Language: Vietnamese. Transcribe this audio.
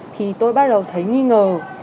thì tôi bắt đầu thấy nghi ngờ